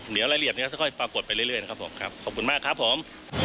เดี๋ยวรายละเอียดนี้จะค่อยปรากฏไปเรื่อยนะครับผมครับขอบคุณมากครับผม